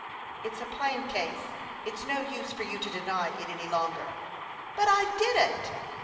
"It's a plain case. It's no use for you to deny it any longer." " But I didn't."